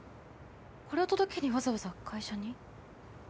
これを届けにわざわざ会社に？